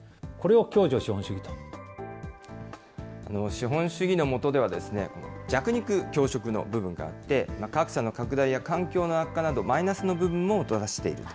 資本主義の下では、弱肉強食の部分があって、格差の拡大や環境の悪化など、マイナスの部分ももたらしていると。